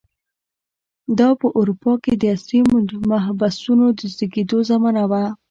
دا په اروپا کې د عصري محبسونو د زېږېدو زمانه وه.